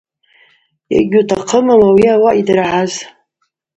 Йгьутахъым ауи ауаъа йдыргӏаз.